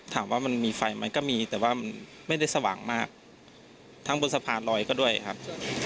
ถามว่ามันมีไฟไหมก็มีแต่ว่ามันไม่ได้สว่างมากทั้งบนสะพานลอยก็ด้วยครับ